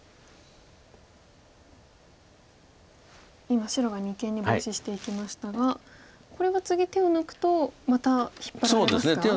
今白が二間にボウシしていきましたがこれは次手を抜くとまた引っ張られますか？